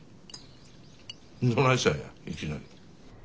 どないしたんやいきなり。